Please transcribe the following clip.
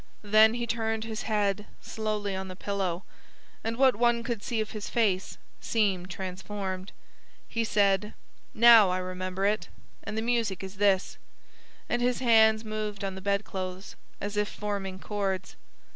Then he turned his head slowly on the pillow, and what one could see of his face seemed transformed. He said: 'Now I remember it, and the music is this'; and his hands moved on the bedclothes, as if forming chords.